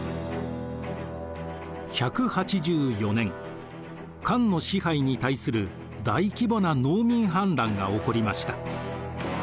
１８４年漢の支配に対する大規模な農民反乱が起こりました。